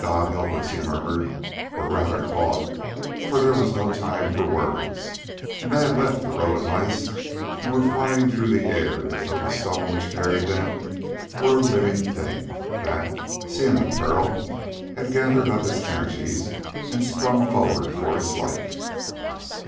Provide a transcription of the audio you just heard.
"God help us!" he murmured, or rather thought, for there was no time for words, and they had left the road of ice and were flying through the air as though the stone which carried them were a living thing, that, seeing the peril, had gathered up its energies and sprung forward for its life.